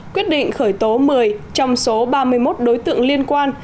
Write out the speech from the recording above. quyết định khởi tố một mươi trong số ba mươi một đối tượng liên quan